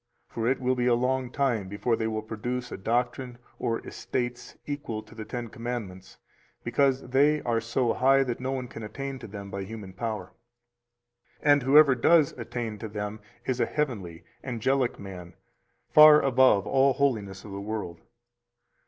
For it will be a long time before they will produce a doctrine or estates equal to the Ten Commandments, because they are so high that no one can attain to them by human power; and whoever does attain to them is a heavenly, angelic man, far above all holiness of the world.